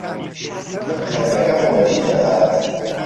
من خهونهکم وهدی دههات